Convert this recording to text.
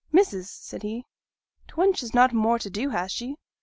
'Missus,' said he, 't' wench has nought more t' do, has she?